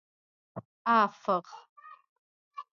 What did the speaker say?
افغ